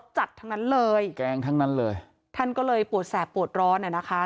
จัดทั้งนั้นเลยแกล้งทั้งนั้นเลยท่านก็เลยปวดแสบปวดร้อนอ่ะนะคะ